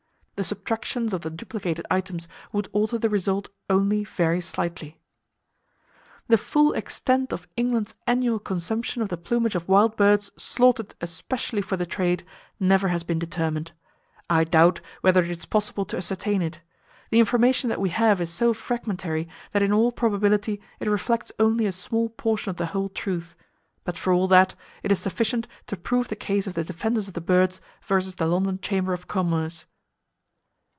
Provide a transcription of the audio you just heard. The subtractions of the duplicated items would alter the result only very slightly. The full extent of England's annual consumption of the plumage of wild birds slaughtered especially for the trade never has been determined. I doubt whether it is possible to ascertain it. The information that we have is so fragmentary that in all probability it reflects only a small portion of the whole truth, but for all that, it is sufficient to prove the case of the Defenders of the Birds vs. the London Chamber of Commerce.